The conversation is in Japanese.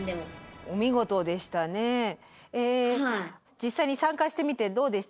実際に参加してみてどうでしたか？